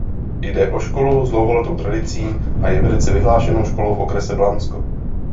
Jde o školu s dlouholetou tradicí a je velice vyhlášenou školou v okrese Blansko.